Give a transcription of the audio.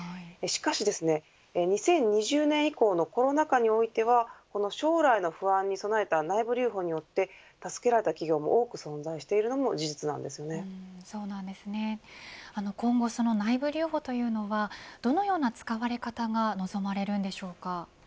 しかし２０２０年以降のコロナ禍においてはこの将来の不安に備えた内部留保によって助けられた企業も今後、内部留保というのはどのような使われ方が望まれるんでしょうか。